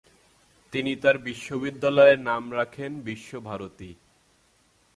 তিনি তার বিদ্যালয়ের নাম রাখেন বিশ্বভারতী।